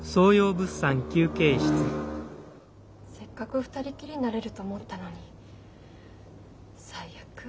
せっかく２人きりになれると思ったのに最悪。